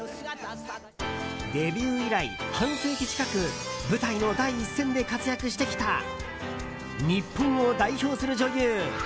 デビュー以来、半世紀近く舞台の第一線で活躍してきた日本を代表する女優